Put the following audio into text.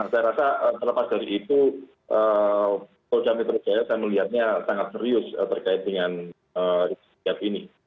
saya rasa selepas dari itu polo dato' rizaya saya melihatnya sangat serius terkait dengan rizik sihab ini